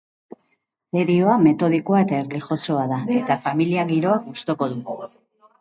Serioa, metodikoa eta erlijiosoa da, eta familia giroa gustoko du.